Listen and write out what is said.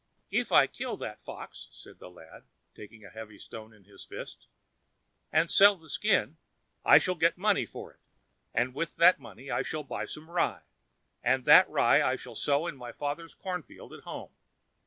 "If I kill that fox," said the lad, taking a heavy stone in his fist, "and sell the skin, I shall get money for it, and with that money I shall buy some rye, and that rye I shall sow in father's corn field at home.